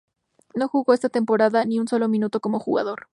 No jugó esa temporada ni un solo minuto como jugador.